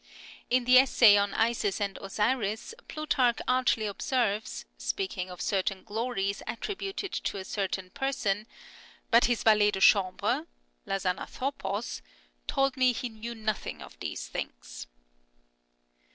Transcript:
In the essay on Isis and Osiris, Plutarch archly observes, speaking of certain glories attributed to a certain person, " But his valet de chamhre (\aerava(p6pos) told me he knew nothing of these things."